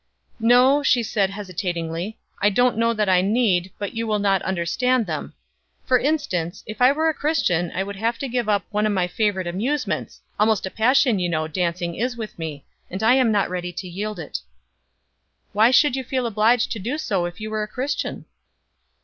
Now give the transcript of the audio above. "No," she said, hesitatingly. "I don't know that I need, but you will not understand them; for instance, if I were a Christian I should have to give up one of my favorite amusements almost a passion, you know, dancing is with me, and I am not ready to yield it." "Why should you feel obliged to do so if you were a Christian?"